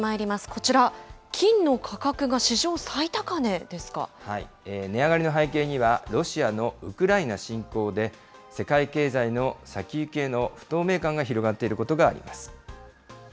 こちら、値上がりの背景には、ロシアのウクライナ侵攻で、世界経済の先行きへの不透明感が広がっていることがあります。